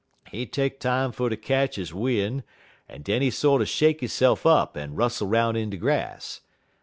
He take time fer ter ketch he win', en den he sorter shake hisse'f up en rustle 'roun' in de grass.